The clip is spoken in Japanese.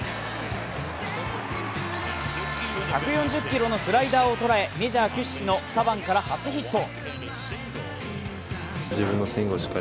１４０キロのスライダーを捉え、メジャー屈指の左腕から初ヒット。